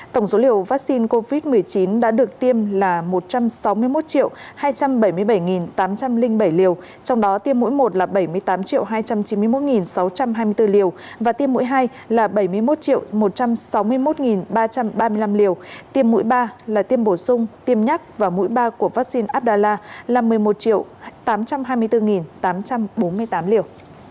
tổng số liều vaccine covid một mươi chín đã được tiêm là một trăm sáu mươi một hai trăm bảy mươi bảy tám trăm linh bảy liều trong đó tiêm mũi một là bảy mươi tám hai trăm chín mươi một sáu trăm hai mươi bốn liều và tiêm mũi hai là bảy mươi một một trăm sáu mươi một ba trăm ba mươi năm liều tiêm mũi ba là tiêm bổ sung tiêm nhắc và mũi ba của vaccine abdala là một mươi một tám trăm hai mươi bốn tám trăm bốn mươi tám liều